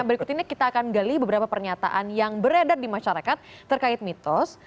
berikut ini kita akan gali beberapa pernyataan yang beredar di masyarakat terkait mitos